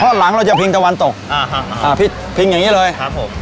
เพราะหลังเราจะพิงตะวันตกอ่าฮะอ่าพิงอย่างงี้เลยครับผม